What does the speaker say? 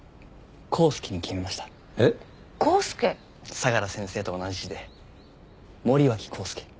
相良先生と同じ字で森脇浩介。